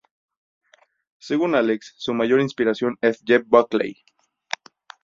Según Alex, su mayor inspiración es Jeff Buckley.